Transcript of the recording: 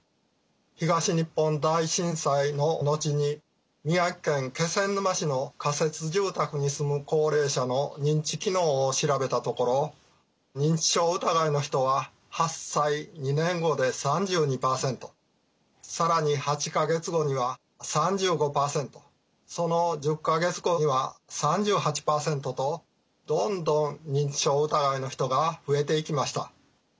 東日本大震災の後に宮城県気仙沼市の仮設住宅に住む高齢者の認知機能を調べたところ認知症疑いの人は発災２年後で３２％更に８か月後には３５％その１０か月後には３８％とどんどん認知症疑いの人が増えていきました。